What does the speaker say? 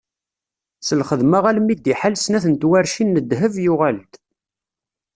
S lxedma almi d iḥal snat n twaracin n ddheb, yuɣal-d.